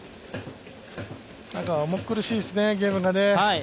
重苦しいですね、ゲームがね。